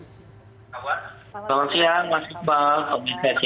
apa kabar selamat siang mas iqbal komisi tujuh dpr ri